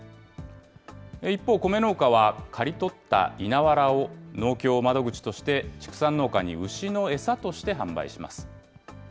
一方、米農家は刈り取った稲わらを農協を窓口として、畜産農家に牛の餌として販売します。